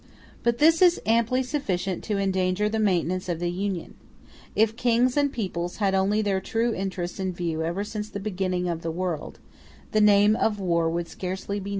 But this is amply sufficient to endanger the maintenance of the Union. If kings and peoples had only had their true interests in view ever since the beginning of the world, the name of war would scarcely be known among mankind.